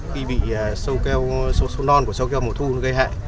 khi bị sâu keo non của sâu keo mùa thu gây hại